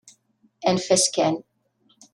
Anef-as kan.